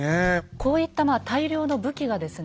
こういった大量の武器がですね